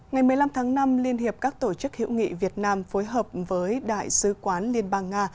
ngày một mươi năm tháng năm liên hiệp các tổ chức hữu nghị việt nam phối hợp với đại sứ quán liên bang nga